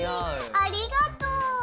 ありがとう。